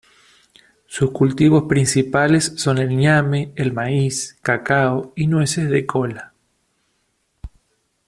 Sus cultivos principales son el ñame, el maíz, cacao y nueces de kola.